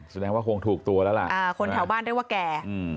แสดงว่าคงถูกตัวแล้วล่ะอ่าคนแถวบ้านเรียกว่าแก่อืม